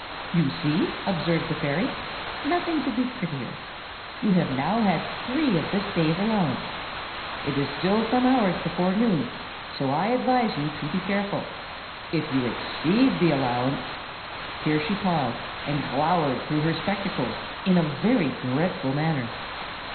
"'You see!' observed the fairy. 'Nothing could be prettier. You have now had three of this day's allowance. It is still some hours before noon, so I advise you to be careful. If you exceed the allowance—' Here she paused, and glowered through her spectacles in a very dreadful manner.